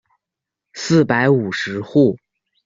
四百五十户。